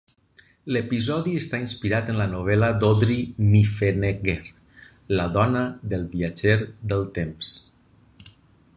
L'episodi està inspirat en la novel·la d'Audrey Niffenegger "La dona del viatger del temps".